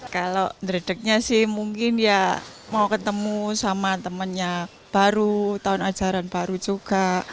kalau dredegnya sih mungkin ya mau ketemu sama temennya baru tahun ajaran baru juga